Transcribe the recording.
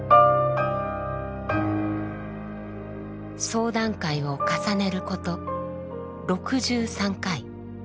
相談会を重ねること６３回。